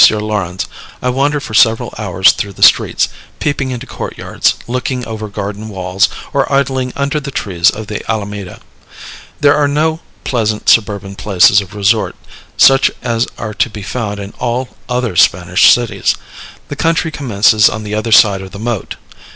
Laurens, I wandered for several hours through the streets, peeping into court yards, looking over garden walls, or idling under the trees of the Alameda. There are no pleasant suburban places of resort, such as are to be found in all other Spanish cities; the country commences on the other side of the moat.